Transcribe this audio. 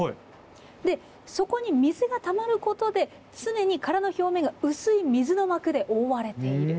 でそこに水がたまることで常に殻の表面が薄い水の膜で覆われている。